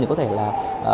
thì có thể là